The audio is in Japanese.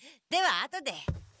ではあとで。